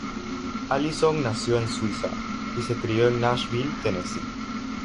Allison nació en Suiza y se crió en Nashville, Tennessee.